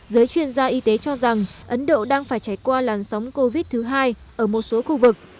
giới chuyên gia y tế cho rằng ấn độ đang phải trải qua làn sóng covid thứ hai ở một số khu vực